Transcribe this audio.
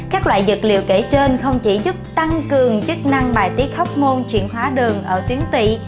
các loại dược liệu kể trên không chỉ giúp tăng cường chức năng bài tiết hóc môn chuyển hóa đường ở tuyến tị